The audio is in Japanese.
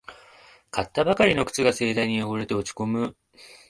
買ったばかりの靴が盛大に汚れて落ちこむ